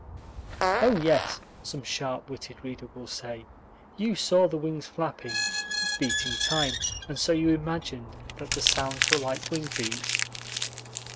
"Oh yes," some sharp witted reader will say, "you saw the wings flapping, beating time, and so you imagined that the sounds were like wing beats."